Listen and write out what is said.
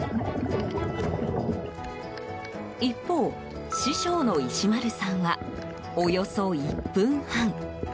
一方、師匠の石丸さんはおよそ１分半。